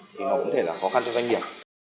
thì nó cũng có thể là khó khăn cho doanh nghiệp